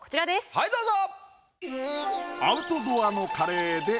はいどうぞ。